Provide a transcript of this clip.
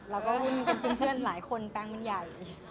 แล้วก็หุ้นกับเพื่อนหลายคนแปลงมันใหญ่